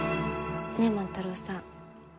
ねえ万太郎さん